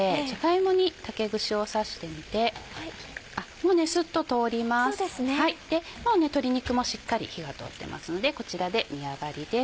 もう鶏肉もしっかり火が通ってますのでこちらで煮上がりです。